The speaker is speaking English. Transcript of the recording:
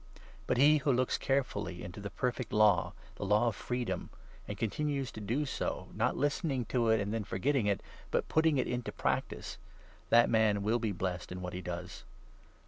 But he who looks carefully into the 25 perfect Law, the Law of Freedom, and continues to do so, not listening to it and then forgetting it, but putting it into prac tice— that man will be blessed in what he does.